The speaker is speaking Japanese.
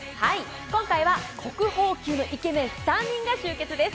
今回は国宝級のイケメン３人が集結です。